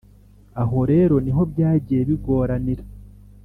Aho rero niho byagiye bigoranira